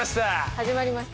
始まりました。